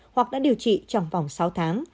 hoặc đã điều trị trong vòng sáu tháng